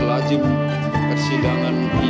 lajim persidangan ini